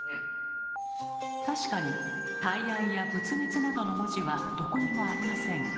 確かに大安や仏滅などの文字はどこにもありません。